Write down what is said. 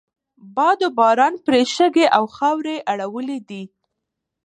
باد و باران پرې شګې او خاورې اړولی دي.